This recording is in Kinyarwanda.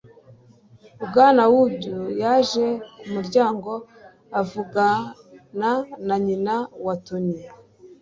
bwana wood yaje ku muryango avugana na nyina wa tony